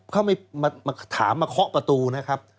เขาไม่มาถามมาเคาะประตูนะครับ